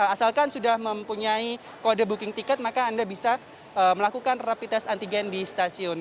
asalkan sudah mempunyai kode booking tiket maka anda bisa melakukan rapid test antigen di stasiun